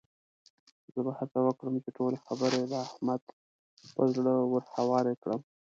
زه به هڅه وکړم چې ټولې خبرې د احمد پر زړه ورهوارې کړم.